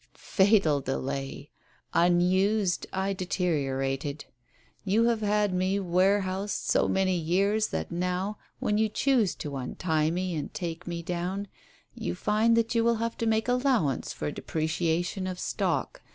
Fatal delay ! Unused, I deteriorated ! You have had me warehoused so many years that now, when you choose to untie me and take me down, you find that you have to make allowance for depreciation of stock.